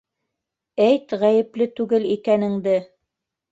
- Әйт ғәйепле түгел икәненде!